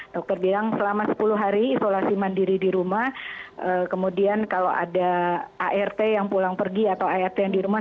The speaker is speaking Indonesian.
dokter bilang selama sepuluh hari isolasi mandiri di rumah kemudian kalau ada art yang pulang pergi atau art yang di rumah